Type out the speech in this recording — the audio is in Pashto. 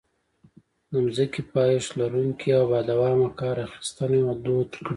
د ځمکې پایښت لرونکې او بادوامه کار اخیستنه دود کړي.